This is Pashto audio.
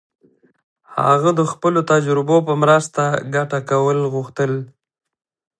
هغه د خپلو تجربو په مرسته ګټه کول غوښتل.